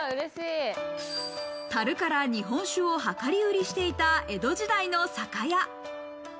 樽から日本酒を量り売りしていた江戸時代の酒屋。